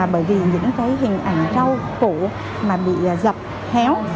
bởi vì những cái hình ảnh rau củ mà bị dập héo